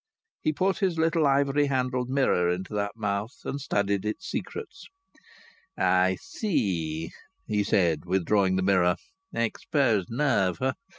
He put his little ivory handled mirror into that mouth and studied its secrets. "I see," he said, withdrawing the mirror. "Exposed nerve.